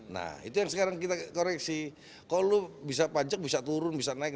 nah itu yang sekarang kita koreksi kalau bisa pajak bisa turun bisa naik